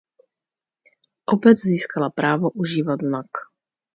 Obec získala právo užívat znak.